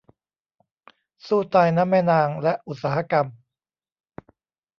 สู้ตายนะแม่นางและอุตสาหกรรม